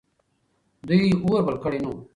دوی اور بل کړی نه و.